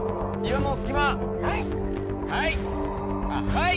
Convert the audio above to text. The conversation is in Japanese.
はい！